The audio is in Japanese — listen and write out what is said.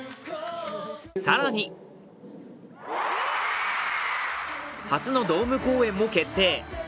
更に初のドーム公演も決定。